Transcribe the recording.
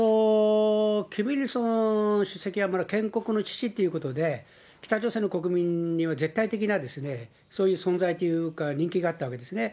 キム・イルソン主席はまだ建国の父ということで、北朝鮮の国民には、絶対的な、そういう存在というか、人気があったわけですね。